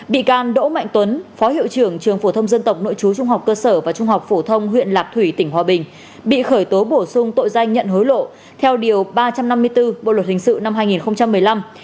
bị can đỗ mạnh tuấn phó hiệu trưởng trường phổ thông dân tộc nội chú trung học cơ sở và trung học phổ thông huyện lạc thủy tỉnh hòa bình bị khởi tố bổ sung tội danh nhận hối lộ theo điều ba trăm năm mươi bốn bộ luật hình sự năm hai nghìn một mươi năm